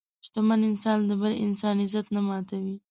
شتمن انسان د بل انسان عزت نه ماتوي.